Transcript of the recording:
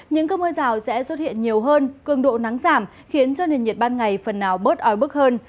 những cơn mưa rào sẽ xuất hiện nhiều hơn cường độ nắng giảm khiến cho nền nhiệt ban ngày phần nào bớt ói bức hơn